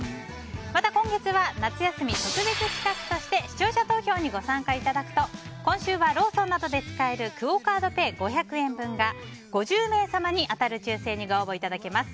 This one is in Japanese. また、今月は夏休み特別企画として視聴者投票にご参加いただくと今週はローソンなどで使えるクオ・カードペイ５００円分が５０名様に当たる抽選にご応募いただけます。